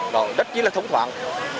rồi rất chí là thống thoảng